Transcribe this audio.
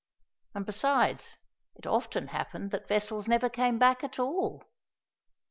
And, besides, it often happened that vessels never came back at all.